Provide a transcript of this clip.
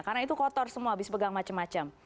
karena itu kotor semua habis pegang macam macam